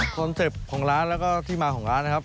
เซ็ปต์ของร้านแล้วก็ที่มาของร้านนะครับ